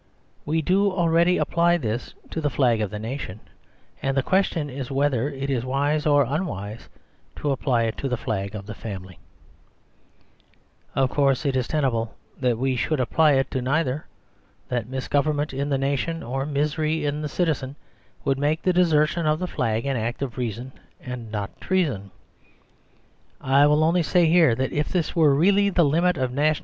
Wc do already apply this to the flag of the nation ; and the question is whether it is wise or unwise to apply it to the flag of the family. Of course, it is tenable that we should apply it to neither ; that mis government in the nation or misery in the citizen would make the desertion of the flag 22 The Superstition of Divorce an act of reason and not treason.